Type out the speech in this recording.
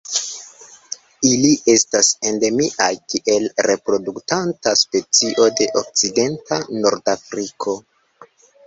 Ili estas endemiaj kiel reproduktanta specio de okcidenta Nordafriko.